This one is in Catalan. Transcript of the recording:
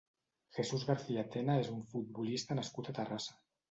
Jesús García Tena és un futbolista nascut a Terrassa.